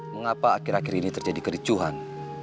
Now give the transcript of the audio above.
mengapa akhir akhir ini terjadi kericuhan